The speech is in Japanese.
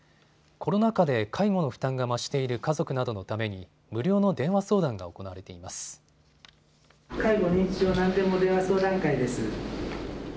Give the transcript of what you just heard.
コロナ禍で介護の負担が増している家族などのために無料の電話相談が行われています。